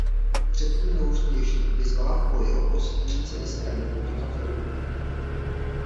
Předtím neúspěšně vyzvala v boji o post předsedy strany Vojtěcha Filipa.